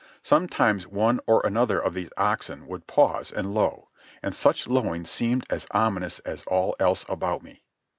Sometimes one or another of these oxen would pause and low, and such lowing seemed as ominous as all else about me.